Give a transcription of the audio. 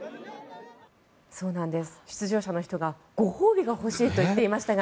出場者の人がご褒美が欲しいと言っていましたが。